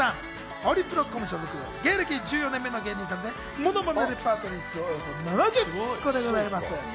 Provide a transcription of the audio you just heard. ホリプロコム所属、芸歴１４年目の芸人さんでものまねレパートリー数はおよそ７０個でございます。